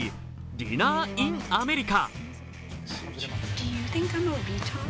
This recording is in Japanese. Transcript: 「ディナー・イン・アメリカ」。